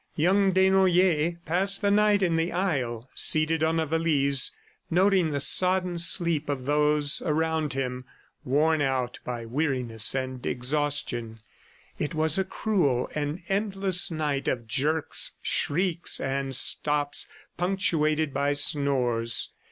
Young Desnoyers passed the night in the aisle, seated on a valise, noting the sodden sleep of those around him, worn out by weariness and exhaustion. It was a cruel and endless night of jerks, shrieks and stops punctuated by snores.